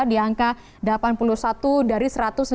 di angka delapan puluh satu dari satu ratus lima puluh